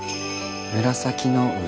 紫の上？